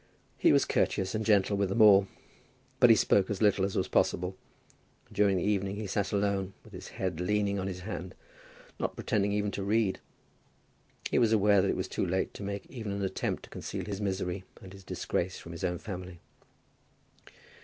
He was courteous and gentle with them all, but he spoke as little as was possible, and during the evening he sat alone, with his head leaning on his hand, not pretending even to read. He was aware that it was too late to make even an attempt to conceal his misery and his disgrace from his own family.